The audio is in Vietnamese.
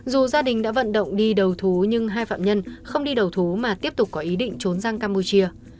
dù gia đình đã vận động đi đầu thú nhưng hai phạm nhân không đi đầu thú mà tiếp tục có ý định trốn sang campuchia